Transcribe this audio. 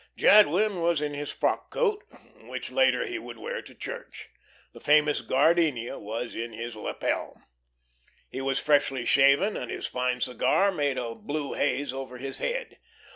Jadwin was in his frock coat, which later he would wear to church. The famous gardenia was in his lapel. He was freshly shaven, and his fine cigar made a blue haze over his head.